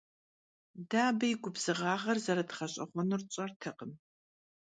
De abı yi gubzığağer zerıdğeş'eğuenur tş'ertekhım.